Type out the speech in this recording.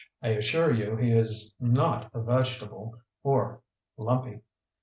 I assure you he is not vegetable or lumpy.